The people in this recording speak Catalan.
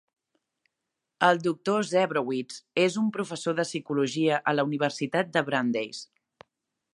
El Doctor Zebrowitz és un professor de psicologia a la Universitat de Brandeis.